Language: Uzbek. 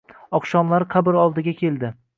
Oqshomlari qabr oldiga keldi.